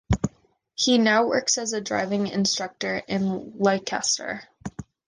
He now works as a driving instructor in Leicester.